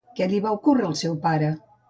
Què li va ocórrer al seu pare?